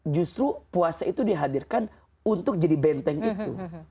justru puasa itu dihadirkan untuk jadi benteng itu